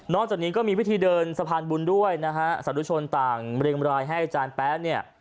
จากนี้ก็มีพิธีเดินสะพานบุญด้วยนะฮะสาธุชนต่างเรียงรายให้อาจารย์แป๊ะเนี่ย